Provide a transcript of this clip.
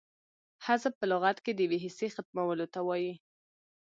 حذف په لغت کښي د یوې حصې ختمولو ته وايي.